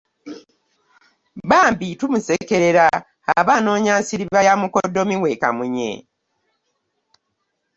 Bambi tomusekerera aba anoonya nsiriba ya mukoddomi we Kamunye.